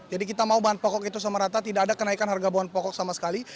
jadi kita mau bahan pokok itu sama rata tidak ada kenaikan harga bahan pokok sama sekali